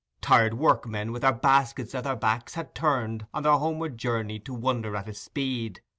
Tired workmen with their baskets at their backs had turned on their homeward journey to wonder at his speed.